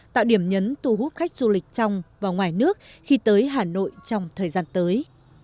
tạo điểm nhấn thu hút khách du lịch trong và ngoài nước khi tới hà nội trong thời gian tới